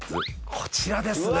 こちらですね。